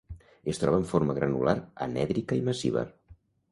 Es troba en forma granular anèdrica i massiva.